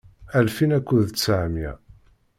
Alfin akked tteɛmiyya.